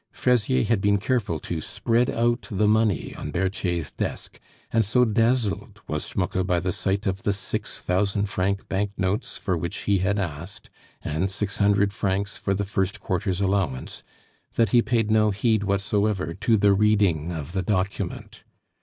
Fraisier had been careful to spread out the money on Berthier's desk, and so dazzled was Schmucke by the sight of the six thousand franc bank notes for which he had asked, and six hundred francs for the first quarter's allowance, that he paid no heed whatsoever to the reading of the document.